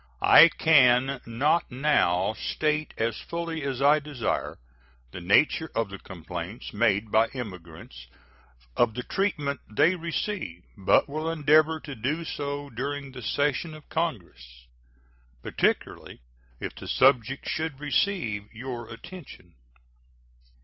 I can not now state as fully as I desire the nature of the complaints made by immigrants of the treatment they receive, but will endeavor to do so during the session of Congress, particularly if the subject should receive your attention.